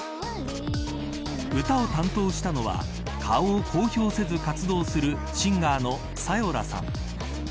歌を担当したのは顔を公表せず活動するシンガーのＳａｙｏｌｌａさん。